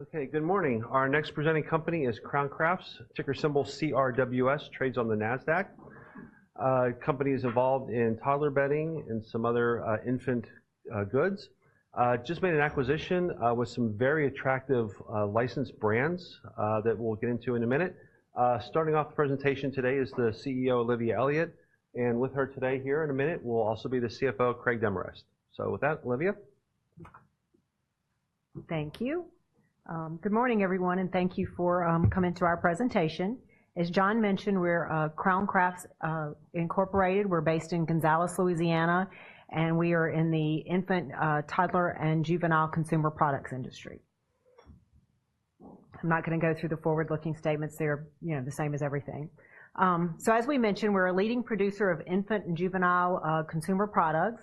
Okay, good morning. Our next presenting company is Crown Crafts, ticker symbol CRWS, trades on the Nasdaq. Company is involved in toddler bedding and some other infant goods. Just made an acquisition with some very attractive licensed brands that we'll get into in a minute. Starting off the presentation today is the CEO, Olivia Elliott, and with her today, here in a minute, will also be the CFO, Craig Demarest. So with that, Olivia? Thank you. Good morning, everyone, and thank you for coming to our presentation. As John mentioned, we're Crown Crafts Incorporated. We're based in Gonzales, Louisiana, and we are in the infant, toddler, and juvenile consumer products industry. I'm not gonna go through the forward-looking statements. They're, you know, the same as everything. So as we mentioned, we're a leading producer of infant and juvenile consumer products.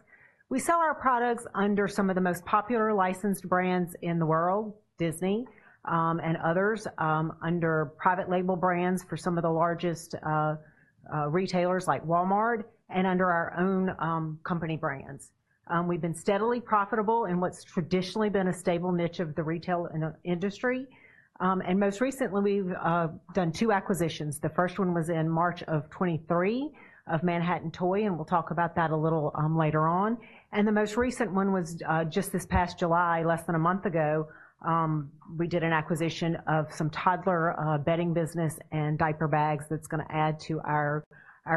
We sell our products under some of the most popular licensed brands in the world, Disney, and others, under private label brands for some of the largest retailers like Walmart and under our own company brands. We've been steadily profitable in what's traditionally been a stable niche of the retail industry, and most recently, we've done two acquisitions. The first one was in March of 2023, of Manhattan Toy, and we'll talk about that a little, later on. The most recent one was just this past July, less than a month ago, we did an acquisition of some toddler bedding business and diaper bags that's gonna add to our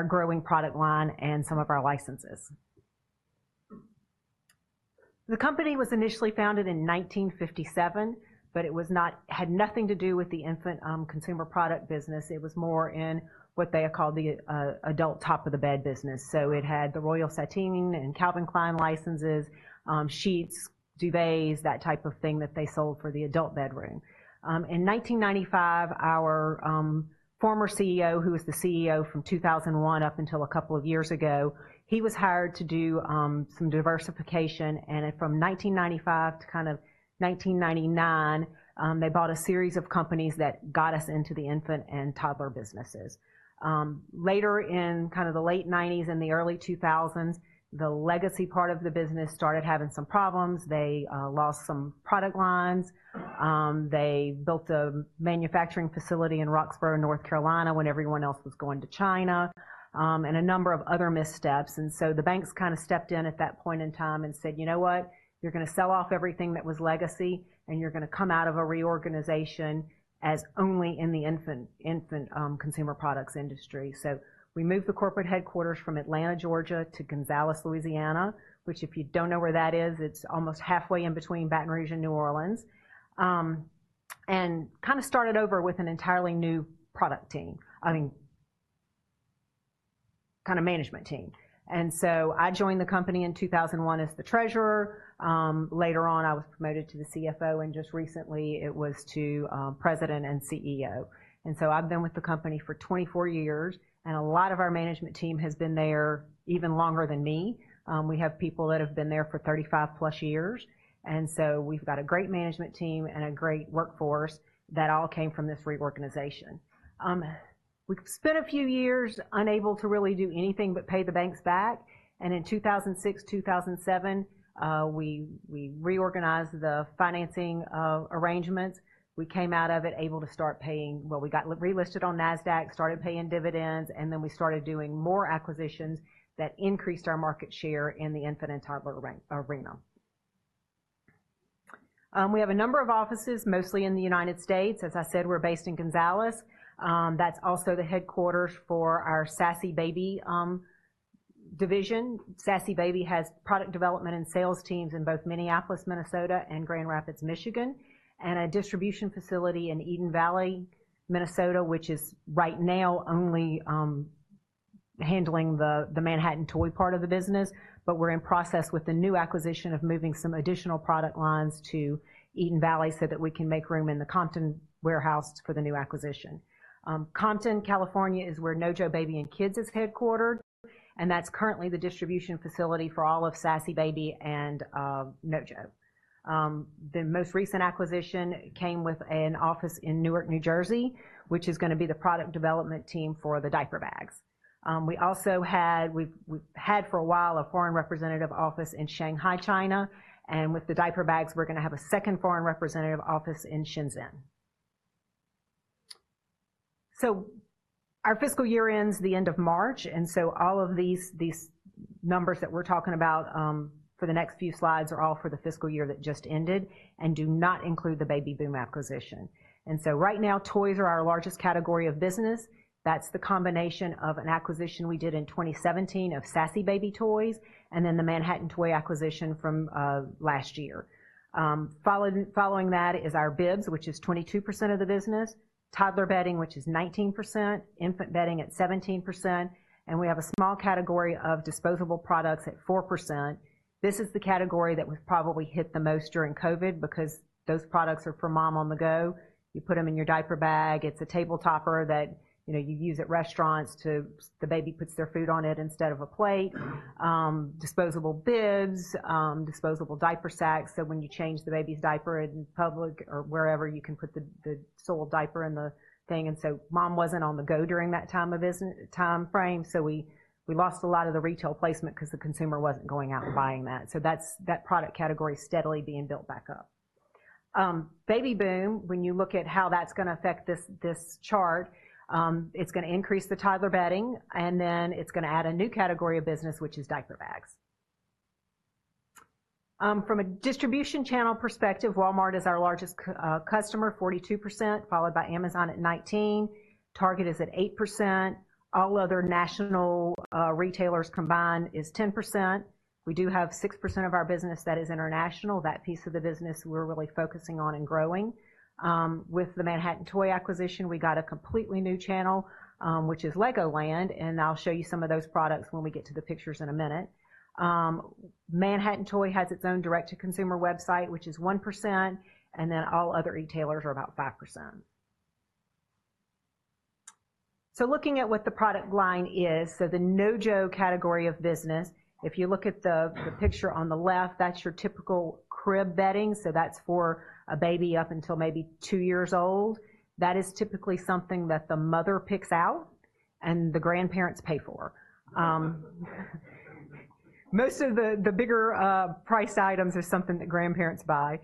growing product line and some of our licenses. The company was initially founded in 1957, but it had nothing to do with the infant consumer product business. It was more in what they have called the adult top-of-the-bed business. So it had the Royal Sateen and Calvin Klein licenses, sheets, duvets, that type of thing that they sold for the adult bedroom. In 1995, our former CEO, who was the CEO from 2001 up until a couple of years ago, he was hired to do some diversification, and from 1995 to kind of 1999, they bought a series of companies that got us into the infant and toddler businesses. Later in kind of the late '90s and the early 2000s, the legacy part of the business started having some problems. They lost some product lines. They built a manufacturing facility in Roxboro, North Carolina, when everyone else was going to China, and a number of other missteps. And so the banks kind of stepped in at that point in time and said, "You know what? You're gonna sell off everything that was legacy, and you're gonna come out of a reorganization as only in the infant consumer products industry." So we moved the corporate headquarters from Atlanta, Georgia, to Gonzales, Louisiana, which, if you don't know where that is, it's almost halfway in between Baton Rouge and New Orleans. And kind of started over with an entirely new product team. I mean, kind of management team. And so I joined the company in 2001 as the treasurer. Later on, I was promoted to the CFO, and just recently to President and CEO. And so I've been with the company for 24 years, and a lot of our management team has been there even longer than me. We have people that have been there for 35+ years, and so we've got a great management team and a great workforce that all came from this reorganization. We spent a few years unable to really do anything but pay the banks back, and in 2006, 2007, we reorganized the financing arrangements. We came out of it able to start paying. Well, we got re-listed on Nasdaq, started paying dividends, and then we started doing more acquisitions that increased our market share in the infant and toddler arena. We have a number of offices, mostly in the U.S.. As I said, we're based in Gonzales. That's also the headquarters for our Sassy Baby division. Sassy Baby has product development and sales teams in both Minneapolis, Minnesota, and Grand Rapids, Michigan, and a distribution facility in Eden Valley, Minnesota, which is right now only handling the Manhattan Toy part of the business. But we're in process with the new acquisition of moving some additional product lines to Eden Valley so that we can make room in the Compton warehouse for the new acquisition. Compton, California, is where NoJo Baby and Kids is headquartered, and that's currently the distribution facility for all of Sassy Baby and NoJo. The most recent acquisition came with an office in Newark, New Jersey, which is gonna be the product development team for the diaper bags. We also had, we've had for a while, a foreign representative office in Shanghai, China, and with the diaper bags, we're gonna have a second foreign representative office in Shenzhen, China. Our fiscal year ends at the end of March, and so all of these numbers that we're talking about for the next few slides are all for the fiscal year that just ended and do not include the Baby Boom acquisition. Right now, toys are our largest category of business. That's the combination of an acquisition we did in 2017 of Sassy Baby Toys, and then the Manhattan Toy acquisition from last year. Following that is our bibs, which is 22% of the business, toddler bedding, which is 19%, infant bedding at 17%, and we have a small category of disposable products at 4%. This is the category that was probably hit the most during COVID, because those products are for mom on the go. You put them in your diaper bag. It's a table topper that, you know, you use at restaurants to the baby puts their food on it instead of a plate. Disposable bibs, disposable diaper sacks, so when you change the baby's diaper in public or wherever, you can put the soiled diaper in the thing. And so mom wasn't on the go during that timeframe, so we lost a lot of the retail placement 'cause the consumer wasn't going out and buying that. So that's that product category is steadily being built back up. Baby Boom, when you look at how that's gonna affect this chart, it's gonna increase the toddler bedding, and then it's gonna add a new category of business, which is diaper bags. From a distribution channel perspective, Walmart is our largest customer, 42%, followed by Amazon at 19%. Target is at 8%. All other national retailers combined is 10%. We do have 6% of our business that is international. That piece of the business, we're really focusing on and growing. With the Manhattan Toy acquisition, we got a completely new channel, which is LEGOLAND, and I'll show you some of those products when we get to the pictures in a minute. Manhattan Toy has its own direct-to-consumer website, which is 1%, and then all other retailers are about 5%. Looking at what the product line is, the NoJo category of business, if you look at the picture on the left, that's your typical crib bedding, so that's for a baby up until maybe two years old. That is typically something that the mother picks out and the grandparents pay for. Most of the bigger priced items are something that grandparents buy.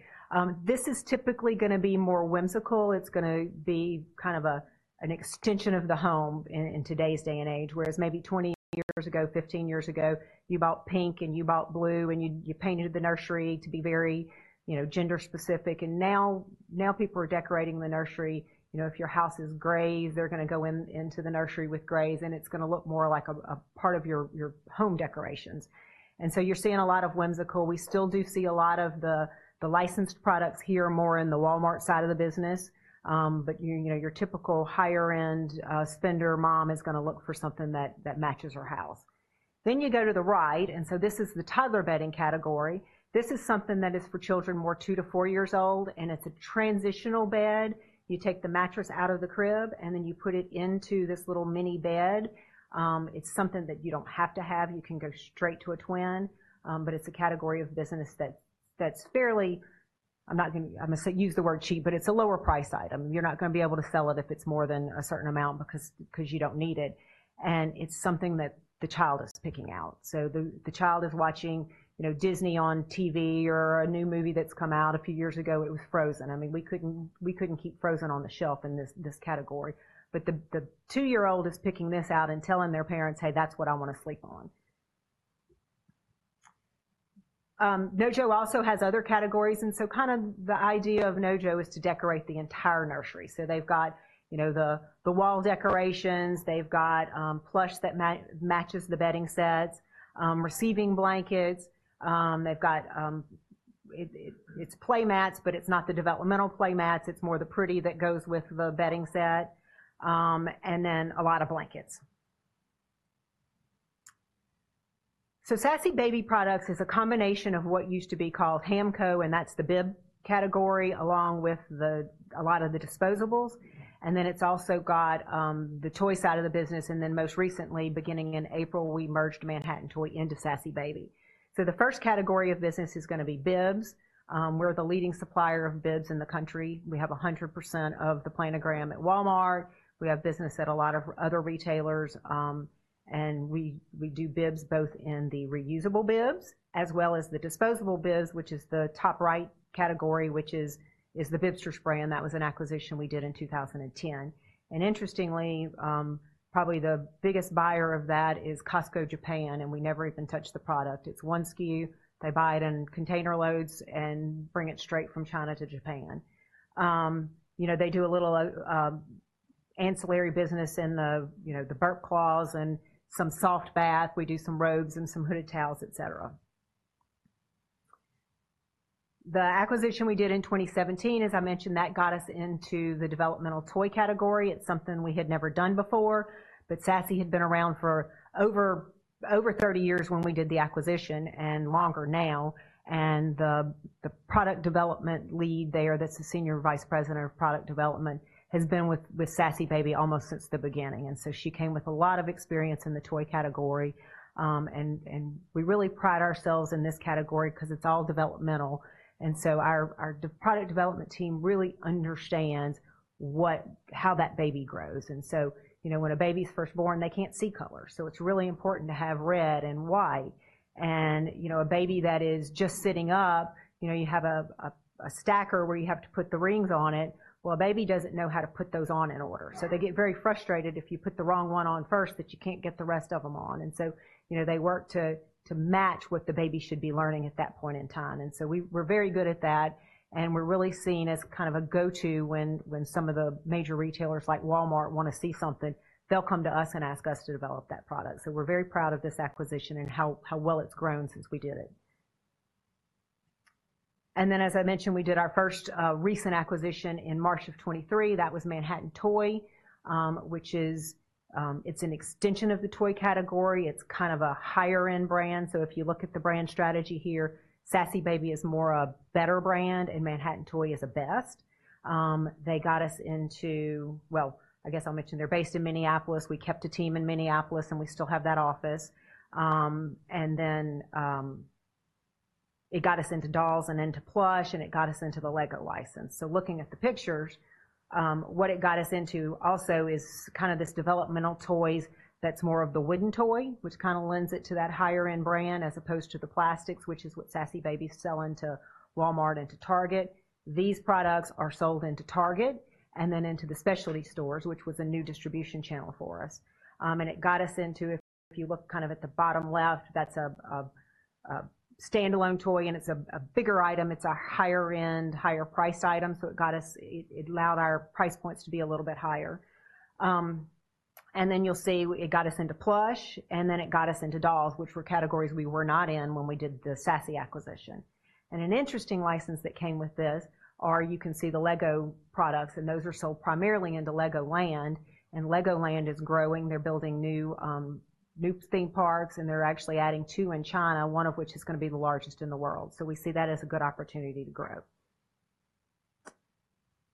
This is typically gonna be more whimsical. It's gonna be kind of an extension of the home in today's day and age, whereas maybe 20 years ago, 15 years ago, you bought pink and you bought blue, and you painted the nursery to be very, you know, gender specific. Now people are decorating the nursery... You know, if your house is gray, they're gonna go in, into the nursery with grays, and it's gonna look more like a part of your home decorations. And so you're seeing a lot of whimsical. We still do see a lot of the licensed products here, more in the Walmart side of the business. But, you know, your typical higher-end spender mom is gonna look for something that matches her house. Then you go to the right, and so this is the toddler bedding category. This is something that is for children more two to four years old, and it's a transitional bed. You take the mattress out of the crib, and then you put it into this little mini bed. It's something that you don't have to have. You can go straight to a twin, but it's a category of business that's fairly... I'm not gonna- I'm gonna say, use the word cheap, but it's a lower priced item. You're not gonna be able to sell it if it's more than a certain amount because you don't need it, and it's something that the child is picking out. So the child is watching, you know, Disney on TV or a new movie that's come out. A few years ago, it was Frozen. I mean, we couldn't keep Frozen on the shelf in this category, but the two-year-old is picking this out and telling their parents, "Hey, that's what I want to sleep on." NoJo also has other categories, and so kind of the idea of NoJo is to decorate the entire nursery. So they've got, you know, the wall decorations, they've got plush that matches the bedding sets, receiving blankets, they've got, it's play mats, but it's not the developmental play mats, it's more the pretty that goes with the bedding set, and then a lot of blankets. So Sassy Baby Products is a combination of what used to be called Hamco, and that's the bib category, along with a lot of the disposables, and then it's also got the toy side of the business, and then most recently, beginning in April, we merged Manhattan Toy into Sassy Baby. So the first category of business is gonna be bibs. We're the leading supplier of bibs in the country. We have 100% of the planogram at Walmart. We have business at a lot of other retailers, and we do bibs, both in the reusable bibs as well as the disposable bibs, which is the top right category, which is the Bibsters brand. That was an acquisition we did in 2010, and interestingly, probably the biggest buyer of that is Costco, Japan, and we never even touch the product. It's one SKU. They buy it in container loads and bring it straight from China to Japan. You know, they do a little ancillary business in the burp cloths and some soft bath. We do some robes and some hooded towels, et cetera. The acquisition we did in 2017, as I mentioned, that got us into the developmental toy category. It's something we had never done before, but Sassy had been around for over 30 when we did the acquisition, and longer now, and the product development lead there, that's the senior vice president of product development, has been with Sassy Baby almost since the beginning. And so she came with a lot of experience in the toy category. And we really pride ourselves in this category 'cause it's all developmental, and so our product development team really understands what, how that baby grows. You know, when a baby's first born, they can't see colors, so it's really important to have red and white and, you know, a baby that is just sitting up, you know, you have a stacker where you have to put the rings on it. Well, a baby doesn't know how to put those on in order, so they get very frustrated if you put the wrong one on first, that you can't get the rest of them on. You know, they work to match what the baby should be learning at that point in time. We're very good at that, and we're really seen as kind of a go-to when some of the major retailers, like Walmart, want to see something, they'll come to us and ask us to develop that product. We're very proud of this acquisition and how well it's grown since we did it. And then, as I mentioned, we did our first recent acquisition in March of 2023. That was Manhattan Toy, which is, it's an extension of the toy category. It's kind of a higher end brand. So if you look at the brand strategy here, Sassy Baby is more a better brand, and Manhattan Toy is a best. They got us into... Well, I guess I'll mention, they're based in Minneapolis. We kept a team in Minneapolis, and we still have that office. And then it got us into dolls and into plush, and it got us into the LEGO license. So looking at the pictures, what it got us into also is kind of this developmental toys that's more of the wooden toy, which kind of lends it to that higher-end brand, as opposed to the plastics, which is what Sassy Baby sell into Walmart and to Target. These products are sold into Target and then into the specialty stores, which was a new distribution channel for us. And it got us into, if you look kind of at the bottom left, that's a standalone toy, and it's a bigger item. It's a higher end, higher price item, so it got us, it allowed our price points to be a little bit higher. And then you'll see it got us into plush, and then it got us into dolls, which were categories we were not in when we did the Sassy acquisition. An interesting license that came with this are, you can see the LEGO products, and those are sold primarily into LEGOLAND, and LEGOLAND is growing. They're building new theme parks, and they're actually adding two in China, one of which is going to be the largest in the world. So we see that as a good opportunity to grow.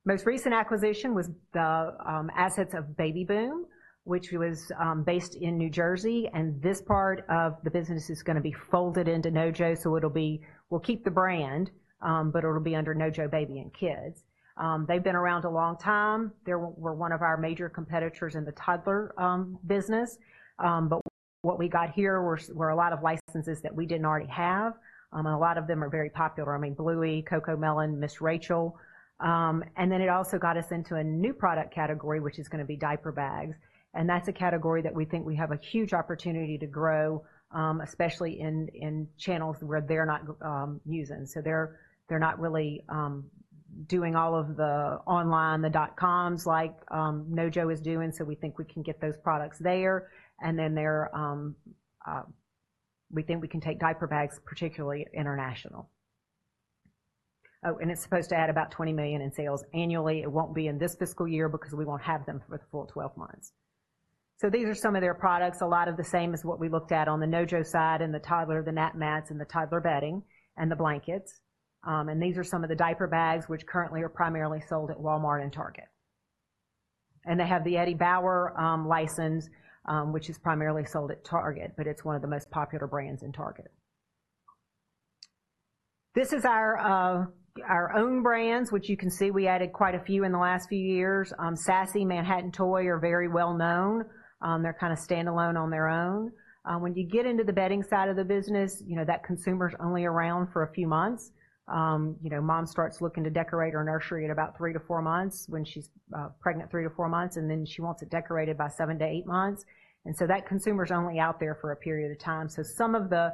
Most recent acquisition was the assets of Baby Boom, which was based in New Jersey, and this part of the business is gonna be folded into NoJo. So it'll be... We'll keep the brand, but it'll be under NoJo Baby and Kids. They've been around a long time. They were one of our major competitors in the toddler business. But what we got here were a lot of licenses that we didn't already have, and a lot of them are very popular. I mean, Bluey, Cocomelon, Ms. Rachel, and then it also got us into a new product category, which is gonna be diaper bags, and that's a category that we think we have a huge opportunity to grow, especially in channels where they're not using. So they're not really doing all of the online, the dot-coms, like NoJo is doing, so we think we can get those products there. And then they're... We think we can take diaper bags, particularly international. Oh, and it's supposed to add about $20 million in sales annually. It won't be in this fiscal year because we won't have them for the full 12 months. So these are some of their products. A lot of the same as what we looked at on the NoJo side and the toddler, the Nap Mats, and the toddler bedding and the blankets. And these are some of the diaper bags, which currently are primarily sold at Walmart and Target. And they have the Eddie Bauer license, which is primarily sold at Target, but it's one of the most popular brands in Target. This is our own brands, which you can see we added quite a few in the last few years. Sassy, Manhattan Toy, are very well known. They're kind of standalone on their own. When you get into the bedding side of the business, you know, that consumer's only around for a few months. You know, mom starts looking to decorate her nursery at about three to four months, when she's pregnant three to four months, and then she wants it decorated by seven to eight months. That consumer's only out there for a period of time. So some of the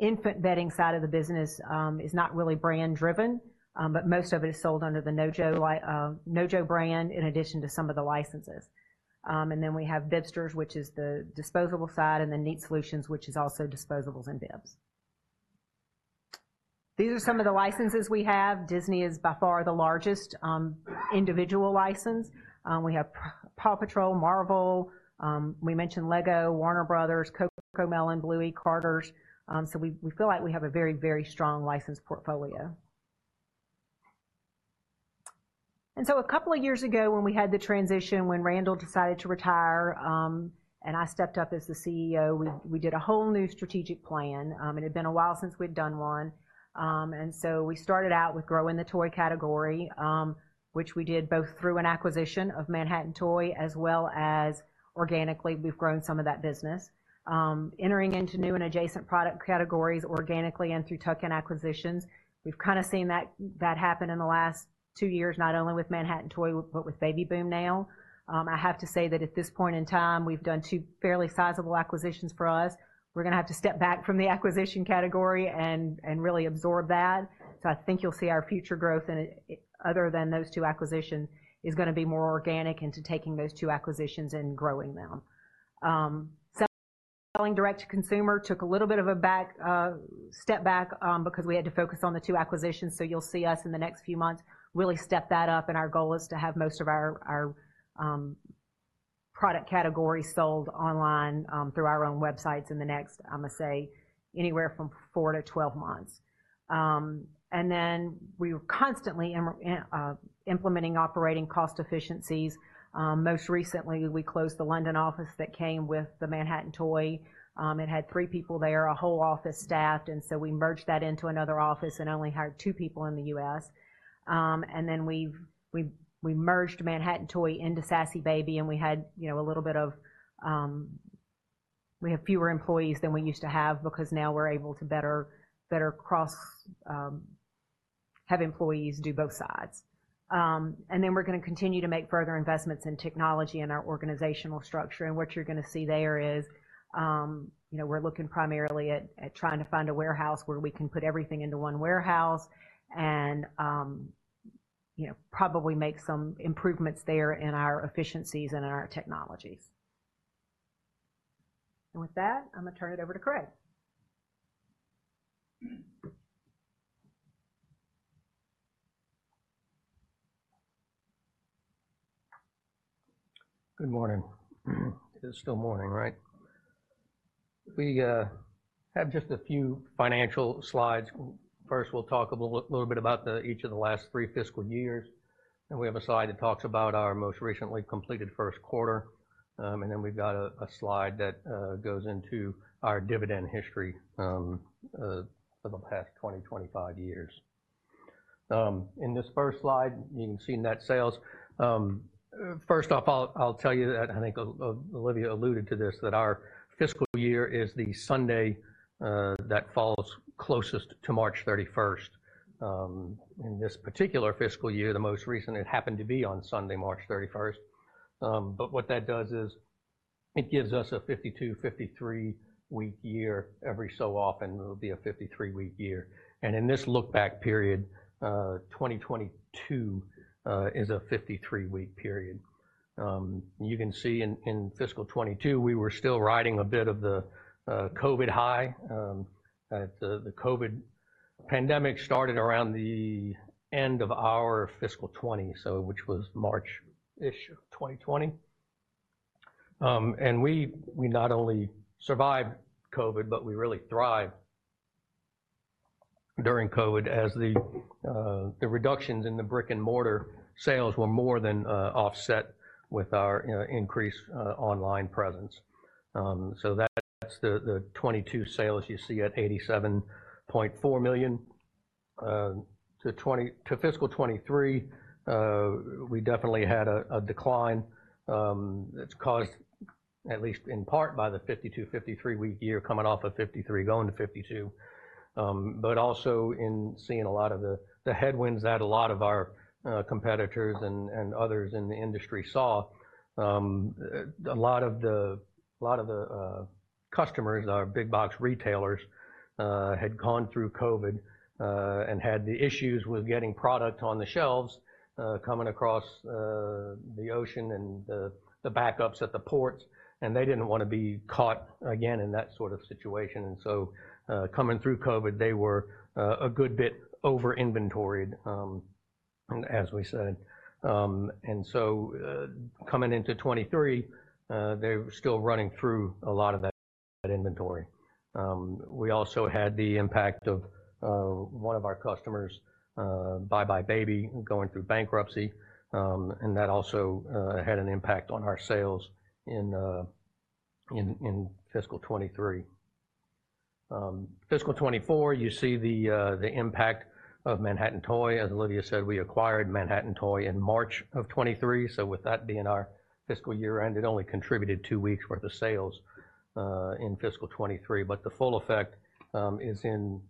infant bedding side of the business is not really brand driven, but most of it is sold under the NoJo brand, in addition to some of the licenses. And then we have Bibsters, which is the disposable side, and then Neat Solutions, which is also disposables and bibs. These are some of the licenses we have. Disney is by far the largest individual license. We have Paw Patrol, Marvel, we mentioned LEGO, Warner Brothers, Cocomelon, Bluey, Carter's. So we feel like we have a very, very strong license portfolio. And so a couple of years ago, when we had the transition, when Randall decided to retire, and I stepped up as the CEO, we did a whole new strategic plan. It had been a while since we'd done one. And so we started out with growing the toy category, which we did both through an acquisition of Manhattan Toy, as well as organically, we've grown some of that business. Entering into new and adjacent product categories organically and through tuck-in acquisitions. We've kind of seen that happen in the last two years, not only with Manhattan Toy, but with Baby Boom now. I have to say that at this point in time, we've done two fairly sizable acquisitions for us. We're gonna have to step back from the acquisition category and really absorb that. So I think you'll see our future growth and, other than those two acquisitions, is gonna be more organic into taking those two acquisitions and growing them. Selling direct to consumer took a little bit of a step back because we had to focus on the two acquisitions, so you'll see us in the next few months really step that up, and our goal is to have most of our product categories sold online through our own websites in the next, I'm going to say, anywhere from four to 12 months. And then we were constantly implementing operating cost efficiencies. Most recently, we closed the London office that came with the Manhattan Toy. It had three people there, a whole office staffed, and so we merged that into another office and only hired two people in the U.S. And then we merged Manhattan Toy into Sassy Baby. We have fewer employees than we used to have because now we're able to better cross have employees do both sides. And then we're gonna continue to make further investments in technology and our organizational structure. And what you're gonna see there is, you know, we're looking primarily at trying to find a warehouse where we can put everything into one warehouse and, you know, probably make some improvements there in our efficiencies and in our technologies. And with that, I'm going to turn it over to Craig. Good morning. It's still morning, right? We have just a few financial slides. First, we'll talk a little bit about each of the last three fiscal years.... And we have a slide that talks about our most recently completed Q1, and then we've got a slide that goes into our dividend history for the past 25 years. In this first slide, you've seen net sales. First off, I'll tell you that I think Olivia alluded to this, that our fiscal year is the Sunday that falls closest to 31 March. In this particular fiscal year, the most recent, it happened to be on Sunday, 31 March. But what that does is, it gives us a 52, 53-week year. Every so often, it'll be a 53-week year. And in this look-back period, 2022 is a 53-week period. You can see in fiscal 2022, we were still riding a bit of the COVID high. The COVID pandemic started around the end of our fiscal 2020, so which was March-ish 2020. And we not only survived COVID, but we really thrived during COVID as the reductions in the brick-and-mortar sales were more than offset with our increased online presence. So that's the 2022 sales you see at $87.4 million. To 20—to fiscal 2023, we definitely had a decline, that's caused, at least in part, by the 52-53-week year, coming off of 53, going to 52. But also in seeing a lot of the headwinds that a lot of our competitors and others in the industry saw. A lot of the customers, our big box retailers, had gone through COVID and had the issues with getting product on the shelves, coming across the ocean and the backups at the ports, and they didn't want to be caught again in that sort of situation. So, coming through COVID, they were a good bit over-inventoried, as we said. And so, coming into 2023, they're still running through a lot of that inventory. We also had the impact of one of our customers, buybuy BABY, going through bankruptcy, and that also had an impact on our sales in fiscal 2023. Fiscal 2024, you see the impact of Manhattan Toy. As Olivia said, we acquired Manhattan Toy in March 2023, so with that being our fiscal year-end, it only contributed two weeks worth of sales in fiscal 2023. But the full effect is in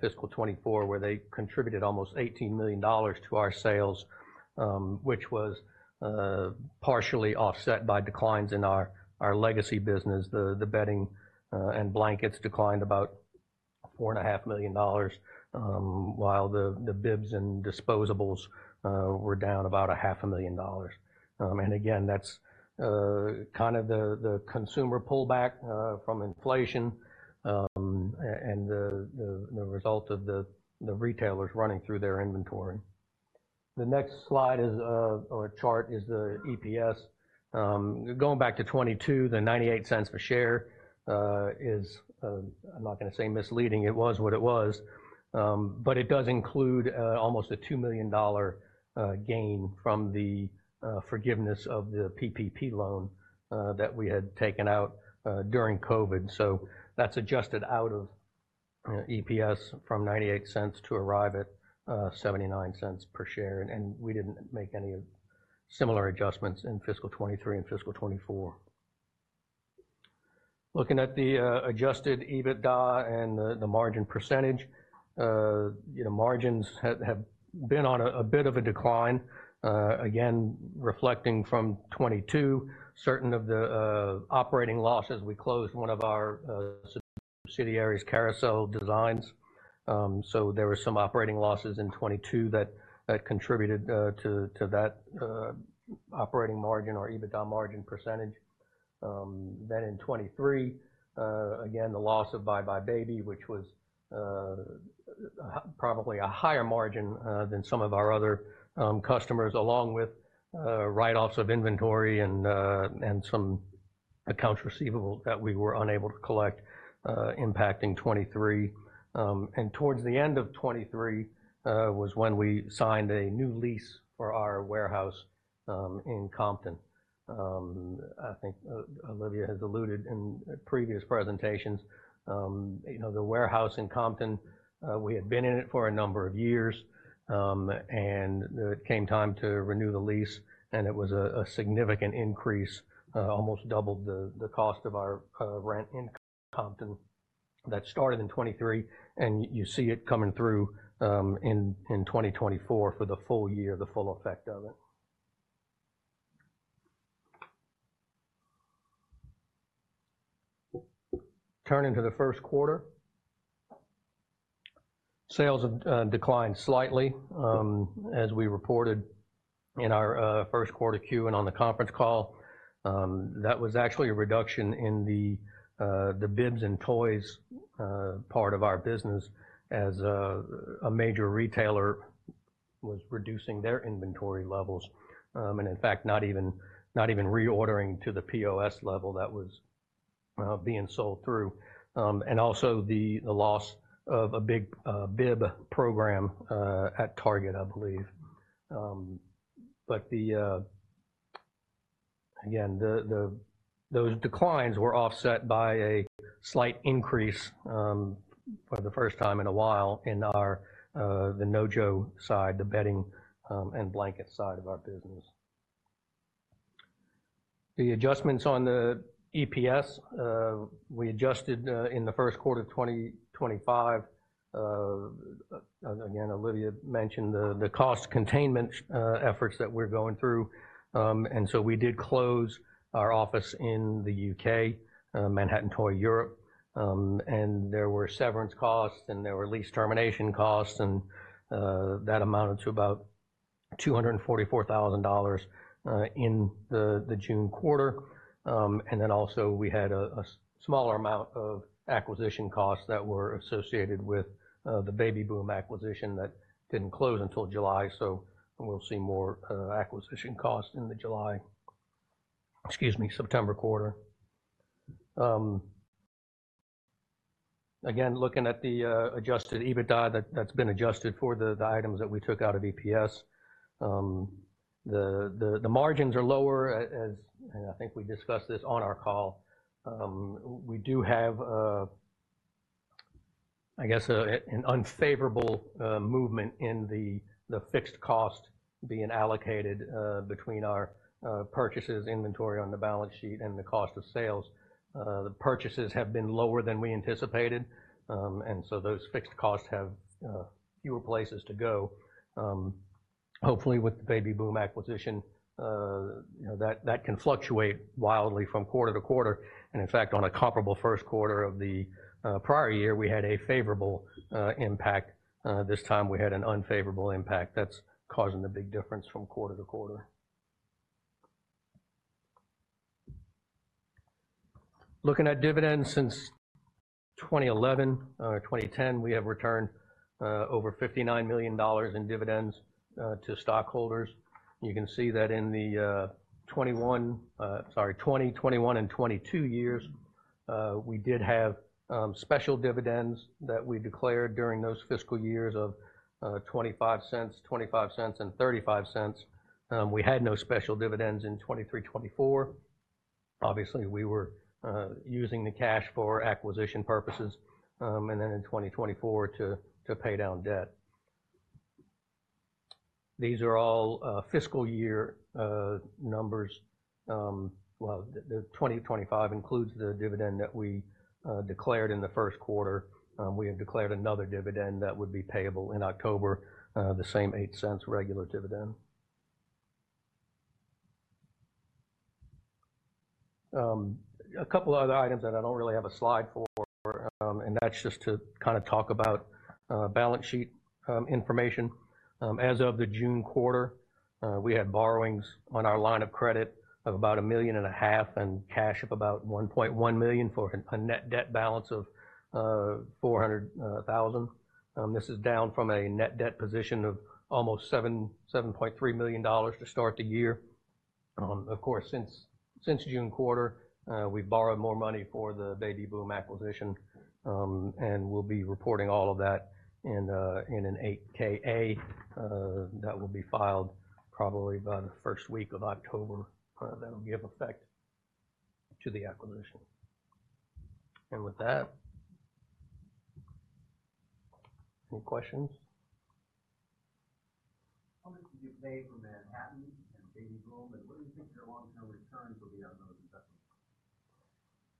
fiscal 2024, where they contributed almost $18 million to our sales, which was partially offset by declines in our legacy business. The bedding and blankets declined about $4.5 million, while the bibs and disposables were down about $0.5 million. And again, that's kind of the consumer pullback from inflation and the result of the retailers running through their inventory. The next slide or chart is the EPS. Going back to 2022, the $0.98 per share is, I'm not gonna say misleading. It was what it was, but it does include almost a $2 million gain from the forgiveness of the PPP loan that we had taken out during COVID. So that's adjusted out of EPS from $0.98 to arrive at $0.79 per share, and we didn't make any similar adjustments in fiscal 2023 and fiscal 2024. Looking at the Adjusted EBITDA and the margin percentage, you know, margins have been on a bit of a decline. Again, reflecting from 2022, certain of the operating losses, we closed one of our subsidiaries, Carousel Designs. There were some operating losses in 2022 that contributed to that operating margin or EBITDA margin percentage. In 2023, again, the loss of buybuy BABY, which was probably a higher margin than some of our other customers, along with write-offs of inventory and some accounts receivable that we were unable to collect, impacting 2023. Towards the end of 2023 was when we signed a new lease for our warehouse in Compton. I think Olivia has alluded in previous presentations. You know, the warehouse in Compton, we had been in it for a number of years, and it came time to renew the lease, and it was a significant increase, almost doubled the cost of our rent in Compton. That started in 2023, and you see it coming through in 2024 for the full year, the full effect of it. Turning to the Q1, sales declined slightly, as we reported in our Q1 Q and on the conference call. That was actually a reduction in the bibs and toys part of our business, as a major retailer was reducing their inventory levels. And in fact, not even reordering to the POS level that was-... being sold through. And also the loss of a big bib program at Target, I believe. But those declines were offset by a slight increase, for the first time in a while, in our NoJo side, the bedding and blanket side of our business. The adjustments on the EPS, we adjusted in the Q1 of 2025. Again, Olivia mentioned the cost containment efforts that we're going through. And so we did close our office in the U.K., Manhattan Toy Europe, and there were severance costs, and there were lease termination costs, and that amounted to about $244,000 in the Q2. And then also we had a smaller amount of acquisition costs that were associated with the Baby Boom acquisition that didn't close until July, so we'll see more acquisition costs in the July, excuse me, Q3. Again, looking at the adjusted EBITDA, that's been adjusted for the items that we took out of EPS. The margins are lower, and I think we discussed this on our call. We do have, I guess, an unfavorable movement in the fixed cost being allocated between our purchases inventory on the balance sheet and the cost of sales. The purchases have been lower than we anticipated, and so those fixed costs have fewer places to go. Hopefully, with the Baby Boom acquisition, you know, that can fluctuate wildly from quarter to quarter. And in fact, on a comparable Q1 of the prior year, we had a favorable impact. This time, we had an unfavorable impact. That's causing the big difference from quarter to quarter. Looking at dividends since 2011, 2010, we have returned over $59 million in dividends to stockholders. You can see that in the 2021, sorry, 2021, and 2022 years, we did have special dividends that we declared during those fiscal years of $0.25, $0.25, and $0.35. We had no special dividends in 2023, 2024. Obviously, we were using the cash for acquisition purposes, and then in 2024 to pay down debt. These are all fiscal year numbers. Well, the 2025 includes the dividend that we declared in the Q1. We have declared another dividend that would be payable in October, the same $0.08 regular dividend. A couple other items that I don't really have a slide for, and that's just to kind of talk about balance sheet information. As of the Q2, we had borrowings on our line of credit of about $1.5 million, and cash of about $1.1 million, for a net debt balance of $400,000. This is down from a net debt position of almost $7.3 million to start the year. Of course, since Q2, we've borrowed more money for the Baby Boom acquisition, and we'll be reporting all of that in an 8-K/A that will be filed probably by the first week of October. That'll give effect to the acquisition. With that, any questions? How much did you pay for Manhattan and Baby Boom, and what do you think your long-term returns will be on those investments?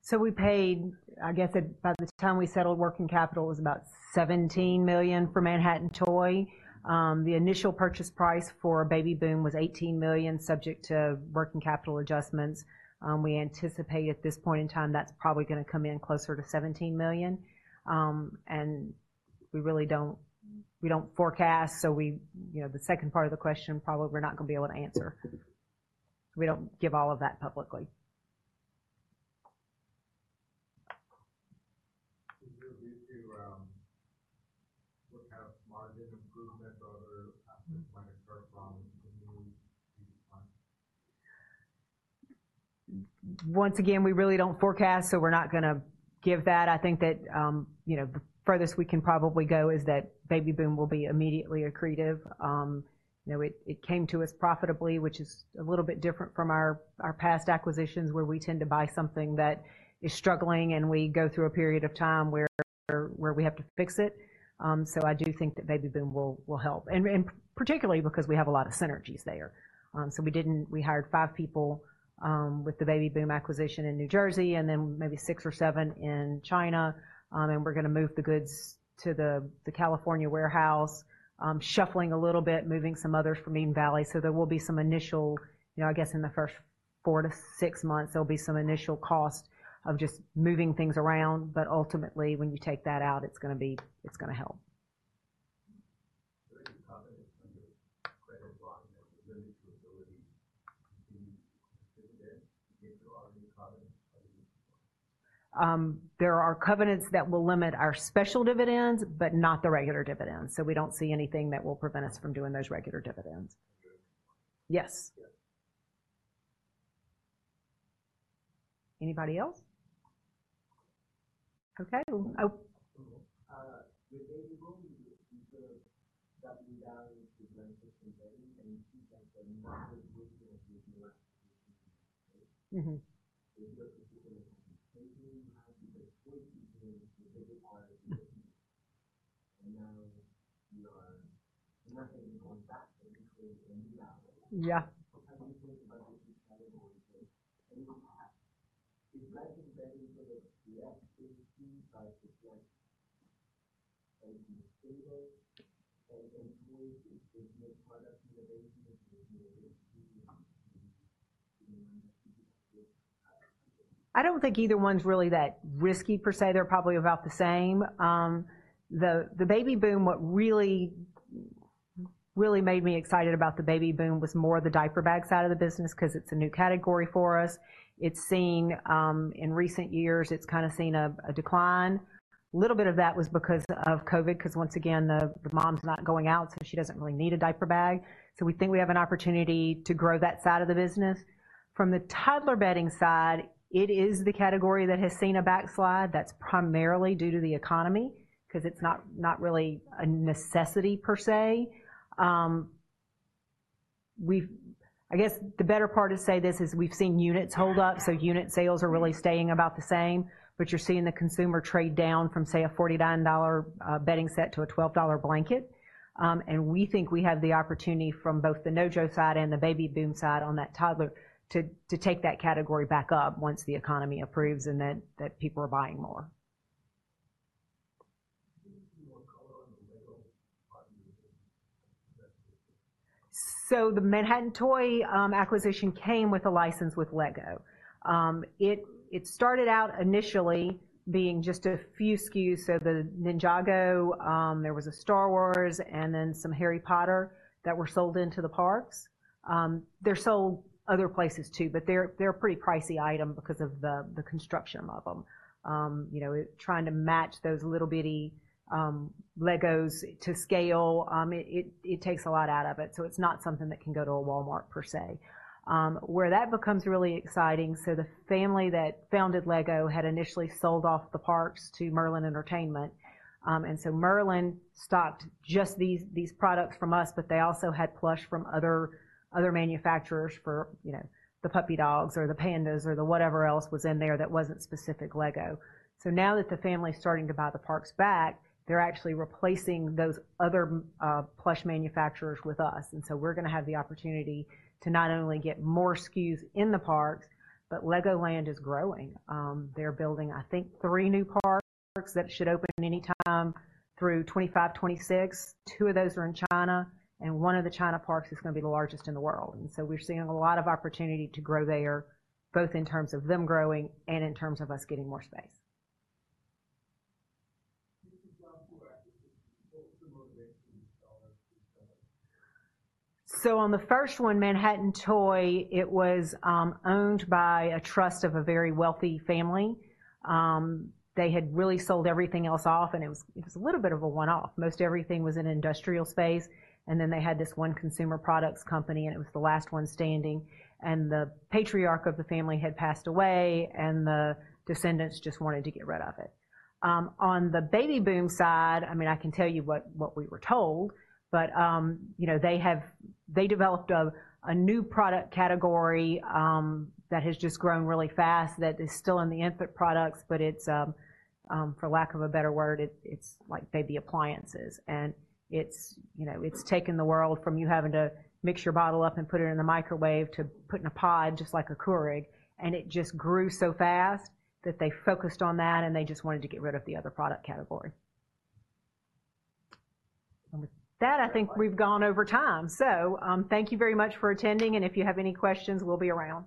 So we paid, I guess, by the time we settled, working capital was about $17 million for Manhattan Toy. The initial purchase price for Baby Boom was $18 million, subject to working capital adjustments. We anticipate at this point in time, that's probably gonna come in closer to $17 million. And we really don't forecast, so we, you know, the second part of the question, probably we're not gonna be able to answer. We don't give all of that publicly. Do you, what kind of margin improvement or other improvements might occur from the new time? Once again, we really don't forecast, so we're not gonna give that. I think that, you know, the furthest we can probably go is that Baby Boom will be immediately accretive. You know, it, it came to us profitably, which is a little bit different from our, our past acquisitions, where we tend to buy something that is struggling, and we go through a period of time where, where we have to fix it. So I do think that Baby Boom will, will help, and, and particularly because we have a lot of synergies there. We hired five people with the Baby Boom acquisition in New Jersey and then maybe six or seven in China. And we're gonna move the goods to the, the California warehouse, shuffling a little bit, moving some others from Eden Valley. So there will be some initial, you know, I guess, in the first four to six months, there'll be some initial cost of just moving things around, but ultimately, when you take that out, it's gonna help. There are covenants under the credit line that limit your ability to do dividends if there are any covenants? There are covenants that will limit our special dividends, but not the regular dividends, so we don't see anything that will prevent us from doing those regular dividends. Yes. Anybody else? Okay, oh. The Baby Boom, you sort of doubling down with Bibsters and bibs, and in two senses, they're not as good as the last. Mm-hmm. Now we are not going to go back into any hour. Yeah. How do you think about this category? Is margin better for the bedding? It's seen as stable, and toy is more product innovation? I don't think either one's really that risky per se. They're probably about the same. The Baby Boom, what really, really made me excited about the Baby Boom was more the diaper bag side of the business, 'cause it's a new category for us. It's seen, in recent years, it's kinda seen a decline. A little bit of that was because of COVID, 'cause once again, the mom's not going out, so she doesn't really need a diaper bag. So we think we have an opportunity to grow that side of the business. From the toddler bedding side, it is the category that has seen a backslide that's primarily due to the economy, 'cause it's not really a necessity per se. We've seen units hold up, so unit sales are really staying about the same, but you're seeing the consumer trade down from, say, a $49 bedding set to a $12 blanket. And we think we have the opportunity from both the NoJo side and the Baby Boom side on that toddler to take that category back up once the economy improves, and then, that people are buying more. Can you give more color on the LEGO acquisition? So the Manhattan Toy acquisition came with a license with LEGO. It started out initially being just a few SKUs, so the Ninjago, there was a Star Wars and then some Harry Potter that were sold into the parks. They're sold other places, too, but they're a pretty pricey item because of the construction of them. You know, trying to match those little bitty Legos to scale, it takes a lot out of it, so it's not something that can go to a Walmart per se. Where that becomes really exciting, so the family that founded LEGO had initially sold off the parks to Merlin Entertainments. And so Merlin stocked just these products from us, but they also had plush from other manufacturers for, you know, the puppy dogs or the pandas or the whatever else was in there that wasn't specific LEGO. So now that the family is starting to buy the parks back, they're actually replacing those other plush manufacturers with us, and so we're gonna have the opportunity to not only get more SKUs in the parks, but LEGOLAND is growing. They're building, I think, three new parks that should open anytime through 2025, 2026. Two of those are in China, and one of the China parks is gonna be the largest in the world. And so we're seeing a lot of opportunity to grow there, both in terms of them growing and in terms of us getting more space. This is one more. What's the motivation to sell it? So on the first one, Manhattan Toy, it was owned by a trust of a very wealthy family. They had really sold everything else off, and it was a little bit of a one-off. Most everything was in industrial space, and then they had this one consumer products company, and it was the last one standing, and the patriarch of the family had passed away, and the descendants just wanted to get rid of it. On the Baby Boom side, I mean, I can tell you what we were told, but, you know, they developed a new product category that has just grown really fast, that is still in the infant products, but it's, for lack of a better word, it's like baby appliances. It's, you know, it's taken the world from you having to mix your bottle up and put it in the microwave to put in a pod just like a Keurig. It just grew so fast that they focused on that, and they just wanted to get rid of the other product category. With that, I think we've gone over time, so thank you very much for attending, and if you have any questions, we'll be around.